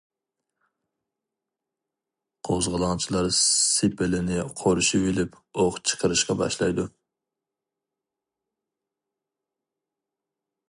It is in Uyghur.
قوزغىلاڭچىلار سېپىلنى قورشىۋېلىپ ئوق چىقىرىشقا باشلايدۇ.